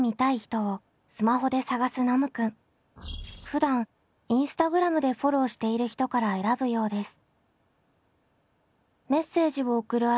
ふだんインスタグラムでフォローしている人から選ぶようです。